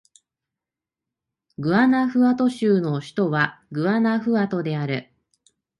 グアナフアト州の州都はグアナフアトである